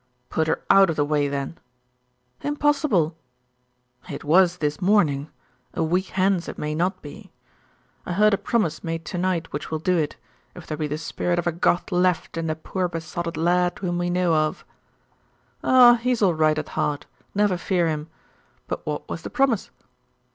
'Put her out of the way, then.' 'Impossible.' 'It was this morning; a week hence it may not be. I heard a promise made to night which will do it, if there be the spirit of a Goth left in the poor besotted lad whom we know of.' 'Oh, he is all right at heart; never fear him. But what was the promise?